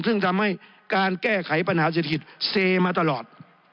ซึ่งทำให้การแก้ไขปัญหาเศรษฐกิจเซมาตลอด